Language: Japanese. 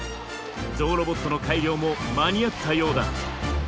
ゾウロボットの改良も間に合ったようだ。